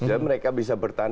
jadi mereka bisa bertahan